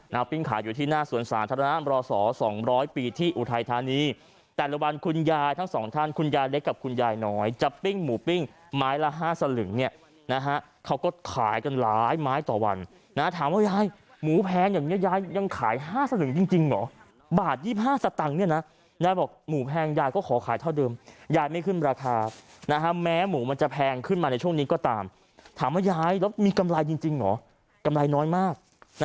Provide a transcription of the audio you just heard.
นะฮะปิ้งขายอยู่ที่หน้าส่วนศาลธนาบรสอร์สองร้อยปีที่อุทัยธานีแต่ระวังคุณยายทั้งสองท่านคุณยายเล็กกับคุณยายน้อยจะปิ้งหมูปิ้งไม้ละห้าสลึงเนี่ยนะฮะเขาก็ขายกันหลายไม้ต่อวันนะฮะถามว่ายายหมูแพงอย่างเนี้ยยายยังขายห้าสลึงจริงจริงเหรอบาทยี่สิบห้าสตางค์เนี้ยนะยายบอกหมูแพงยายก